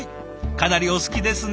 かなりお好きですね。